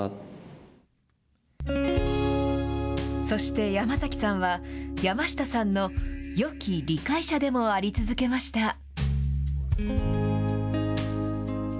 そして山崎さんは、山下さんのよき理解者でもあり続けました。